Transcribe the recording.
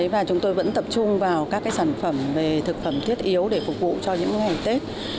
và chúng tôi vẫn tập trung vào các sản phẩm về thực phẩm thiết yếu để phục vụ cho những ngày tết